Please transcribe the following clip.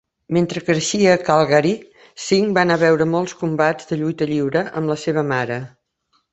Mentre creixia a Calgary, Sing va anar a veure molts combats de lluita lliure amb la seva mare.